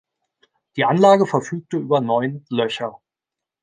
Die Anlage verfügte über neun Löcher.